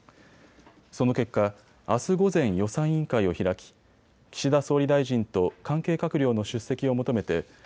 その結果、あす午前、予算委員会を開き岸田総理大臣と関係閣僚の出席を求めて